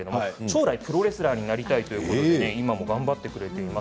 将来プロレスラーになりたいということで頑張っています。